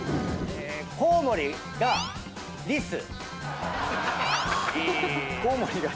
「コウモリがリス」？